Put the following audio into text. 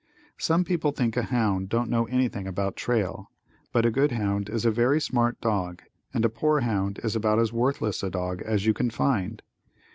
Some people think a hound don't know anything but trail, but a good hound is a very smart dog and a poor hound is about as worthless a dog as you can find.